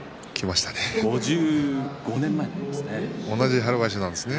５５年前なんですね。